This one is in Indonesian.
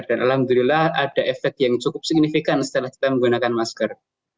dan alhamdulillah ada efek yang cukup signifikan setelah kita menggunakan masker